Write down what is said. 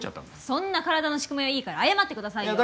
そんな体の仕組みはいいから謝って下さいよ。